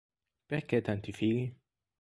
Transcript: Perché tanti fili?